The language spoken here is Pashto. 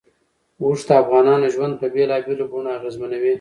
اوښ د افغانانو ژوند په بېلابېلو بڼو اغېزمنوي.